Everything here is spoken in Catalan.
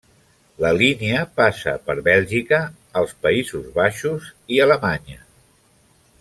La línia passa per Bèlgica, els Països Baixos i Alemanya.